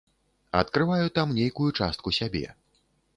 Адкрываю там нейкую частку сябе.